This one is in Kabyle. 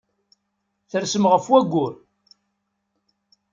Tersem ɣef wayyur.